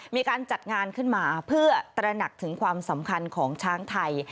มีการจัดงานขึ้นมาเพื่อตระหนักถึงความสำคัญของช้างไทย